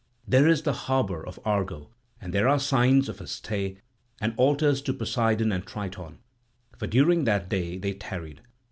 There is the harbour of Argo and there are the signs of her stay, and altars to Poseidon and Triton; for during that day they tarried.